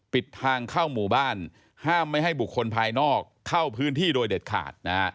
ปิดทางเข้าหมู่บ้านห้ามไม่ให้บุคคลภายนอกเข้าพื้นที่โดยเด็ดขาดนะฮะ